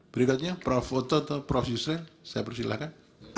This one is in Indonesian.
berikutnya prof foto atau prof yusril saya persilahkan